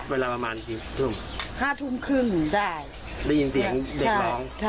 เวลาประมาณกี่ทุ่มห้าทุ่มครึ่งได้ยินเสียงเด็กร้อง